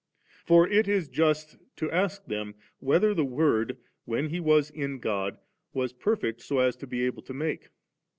For it is just to ask them, whether the Word, when He was in God, was perfect, so as to be able to make.